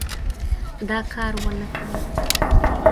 دا کار ونه کړي.